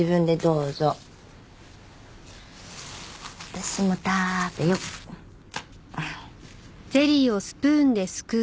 私も食べよう！